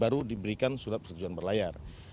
baru diberikan surat persetujuan berlayar